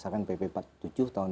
bentukan dari pemerintah pusat